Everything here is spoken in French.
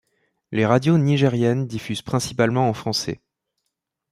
Les radios nigériennes diffusent principalement en français.